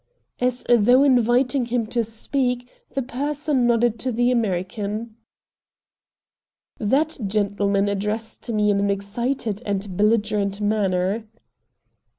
As though inviting him to speak, the purser nodded to the American. That gentleman addressed me in an excited and belligerent manner.